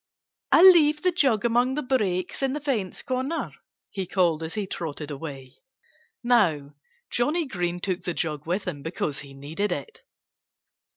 "I'll leave the jug among the brakes in the fence corner," he called, as he trotted away. Now, Johnnie Green took the jug with him because he needed it.